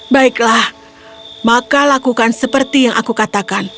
baiklah maka lakukan seperti yang aku katakan